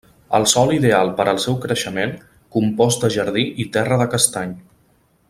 El sòl ideal per al seu creixement: compost de jardí i terra de castany.